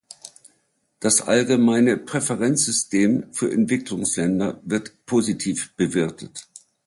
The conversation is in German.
Das Allgemeine Präferenzsystem für Entwicklungsländer wird positiv bewertet.